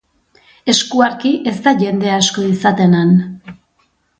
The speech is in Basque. Eskuarki, ez da jende asko izaten han.